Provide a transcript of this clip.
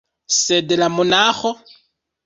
Sed la monaĥo?